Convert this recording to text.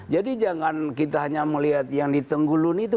jadi jangan kita hanya melihat yang ditenggulun itu